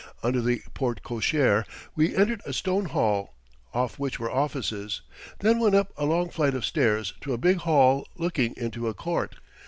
Under the porte cochère we entered a stone hall, off which were offices, then went up a long flight of stairs to a big hall looking into a court.